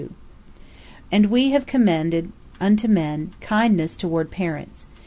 P: And We have commended unto man kindness toward parents.